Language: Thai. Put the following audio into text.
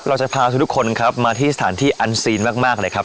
เราจะพาทุกคนครับมาที่สถานที่อันซีนมากเลยครับ